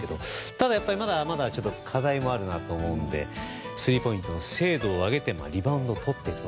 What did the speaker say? ただ、まだまだ課題もあるなと思うのでスリーポイントの精度を上げてリバウンドをとっていくと。